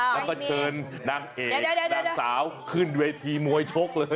แล้วก็เชิญนางเอกนางสาวขึ้นเวทีมวยชกเลย